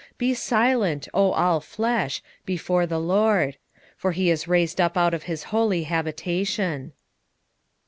2:13 Be silent, O all flesh, before the LORD: for he is raised up out of his holy habitation.